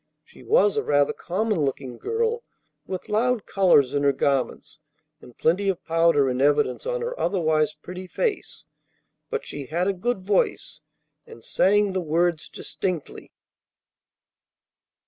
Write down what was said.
She was a rather common looking girl, with loud colors in her garments and plenty of powder in evidence on her otherwise pretty face; but she had a good voice, and sang the words distinctly.